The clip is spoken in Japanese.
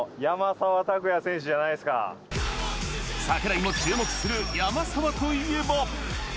櫻井も注目する山沢といえば。